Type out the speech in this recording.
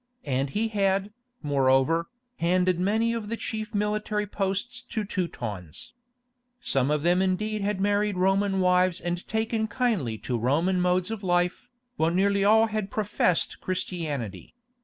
And he had, moreover, handed many of the chief military posts to Teutons. Some of them indeed had married Roman wives and taken kindly to Roman modes of life, while nearly all had professed Christianity.